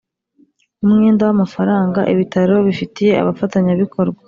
Umwenda w amafaranga ibitaro bifitiye abafatanyabikorwa